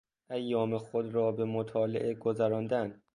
ایام خود را به مطالعه گذراندن